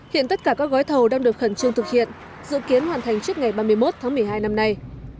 hiện tất cả các gói thầu đang được khẩn trương thực hiện dự kiến hoàn thành trước ngày ba mươi một tháng một mươi hai năm nay